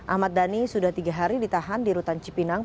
ahmad dhani sudah tiga hari ditahan di rutan cipinang